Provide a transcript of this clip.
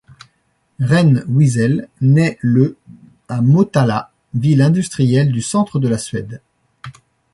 Reine Wisell naît le à Motala, ville industrielle du centre de la Suède.